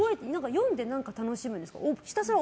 読んで楽しむんですか？